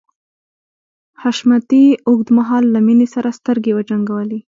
حشمتي اوږد مهال له مينې سره سترګې وجنګولې.